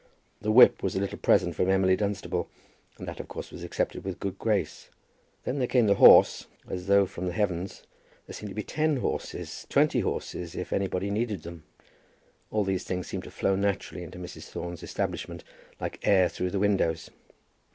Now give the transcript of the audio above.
The whip was a little present from Emily Dunstable, and that of course was accepted with a good grace. Then there came the horse, as though from the heavens; there seemed to be ten horses, twenty horses, if anybody needed them. All these things seemed to flow naturally into Mrs. Thorne's establishment, like air through the windows.